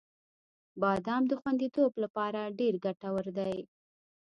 • بادام د خوندیتوب لپاره ډېر ګټور دی.